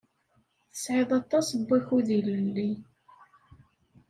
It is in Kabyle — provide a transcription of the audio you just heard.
Tesɛiḍ aṭas n wakud ilelli.